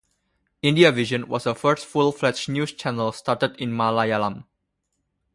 Indiavision was the first full-fledged news channel started in Malayalam.